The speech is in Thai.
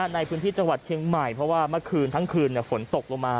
ในพื้นที่จังหวัดเชียงใหม่เพราะว่าเมื่อคืนทั้งคืนฝนตกลงมา